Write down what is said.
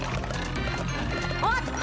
おっと！